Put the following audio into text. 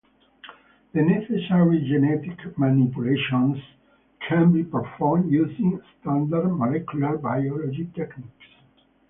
The necessary genetic manipulations can be performed using standard molecular biology techniques.